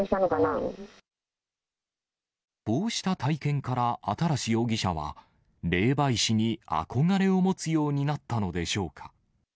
こうした体験から、新容疑者は、霊媒師に憧れを持つようになったのでしょうか。